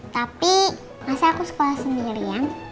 tapi masa aku sekolah sendiri ya